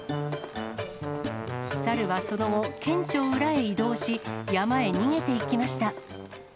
猿はその後、県庁裏へ移動し、山へ逃げていきました。